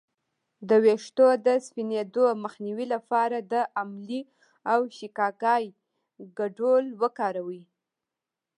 د ویښتو د سپینیدو مخنیوي لپاره د املې او شیکاکای ګډول وکاروئ